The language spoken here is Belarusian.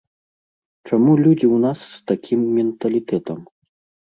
Чаму людзі ў нас з такім менталітэтам?